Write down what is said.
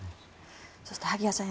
そして、萩谷さん